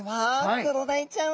ククロダイちゃん。